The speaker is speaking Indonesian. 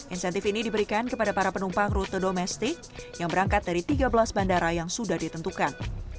insentif ini diberikan kepada para penumpang rute domestik yang berangkat dari tiga belas bandara yang sudah ditentukan